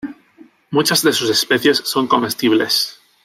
Muchas de sus especies son comestibles.